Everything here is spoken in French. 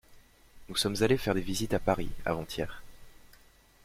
Nous sommes allées faire des visites à Paris, avant-hier.